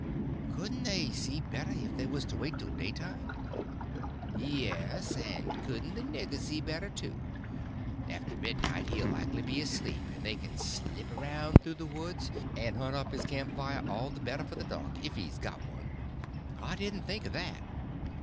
"Couldn't they see better if they was to wait till daytime?" "Yes. And couldn't the nigger see better, too? After midnight he'll likely be asleep, and they can slip around through the woods and hunt up his camp fire all the better for the dark, if he's got one." "I didn't think of that."